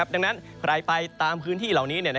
ดังนั้นใครไปตามพื้นที่เหล่านี้